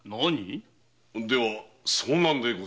では遭難で？